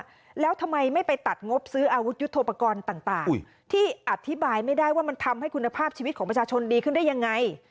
นี่เลยนะคะไม่ไปตัดงบซื้ออาวุธยุทธปกรณ์